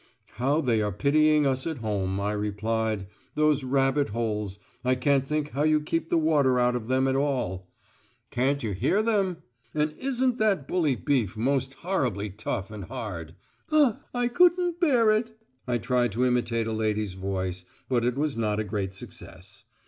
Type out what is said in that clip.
"How they are pitying us at home," I replied. "'Those rabbit holes! I can't think how you keep the water out of them at all!' Can't you hear them? 'And isn't that bully beef most horribly tough and hard! Ugh! I couldn't bear it.'" I tried to imitate a lady's voice, but it was not a great success.